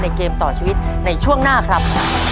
ในช่วงหน้าครับ